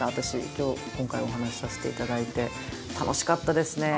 今日今回お話しさせていただいて楽しかったですね。